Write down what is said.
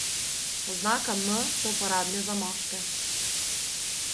Oznaka M se uporablja za moške.